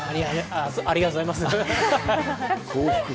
ありがとうございます。